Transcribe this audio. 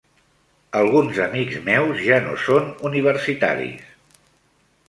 Alguns amics meus ja no són universitaris.